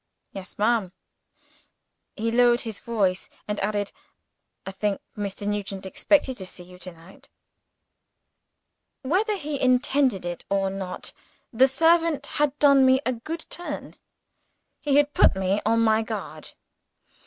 "Yes, ma'am." He lowered his voice, and added, "I think Mr. Nugent expected to see you to night." Whether he intended it, or not, the servant had done me a good turn he had put me on my guard.